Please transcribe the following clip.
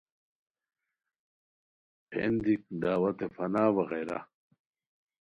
پھین دیک، دعوتِ فنا وغیرہ